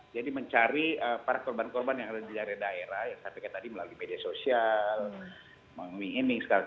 jadi mencari para korban korban yang ada di daerah daerah seperti tadi melalui media sosial mengingatkan segala macam